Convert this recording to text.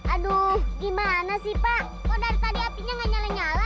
aduh gimana sih pak kok dari tadi apinya nggak nyala nyala